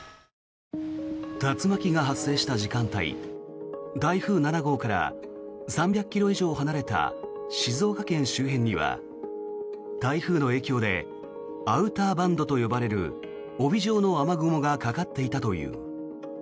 竜巻が発生した時間帯台風７号から３００ｋｍ以上離れた静岡県周辺には台風の影響でアウターバンドと呼ばれる帯状の雨雲がかかっていたという。